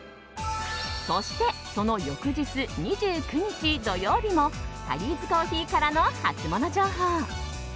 そして、その翌日２９日土曜日もタリーズコーヒーからのハツモノ情報。